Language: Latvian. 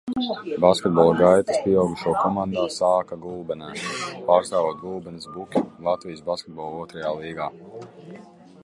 "Basketbola gaitas pieaugušo komandā sāka Gulbenē, pārstāvot Gulbenes "Buki" Latvijas Basketbola otrajā līgā."